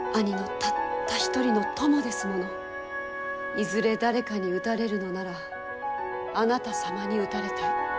いずれ誰かに討たれるのならあなた様に討たれたい。